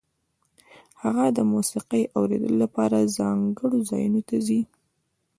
هغه د موسیقۍ اورېدو لپاره ځانګړو ځایونو ته ځي